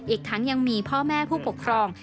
อีกทั้งยังมีพ่อแม่ผู้ปกครอง